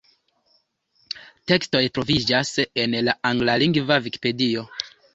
Tekstoj troviĝas en la anglalingva Vikipedio.